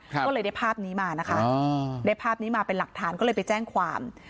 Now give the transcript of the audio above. ก็เลยได้ภาพนี้มานะคะได้ภาพนี้มาเป็นหลักฐานก็เลยไปแจ้งความ